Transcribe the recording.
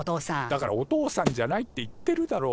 だからお父さんじゃないって言ってるだろ！